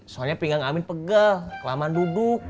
soalnya pinggang amin pegah kelamaan duduk